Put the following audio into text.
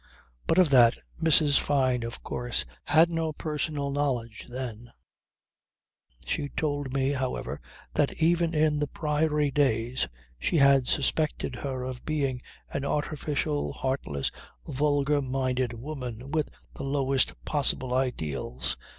But of that Mrs. Fyne of course had no personal knowledge then; she told me however that even in the Priory days she had suspected her of being an artificial, heartless, vulgar minded woman with the lowest possible ideals.